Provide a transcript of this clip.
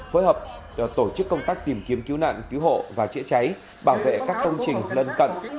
phối hợp tổ chức công tác tìm kiếm cứu nạn cứu hộ và chữa cháy bảo vệ các công trình lân cận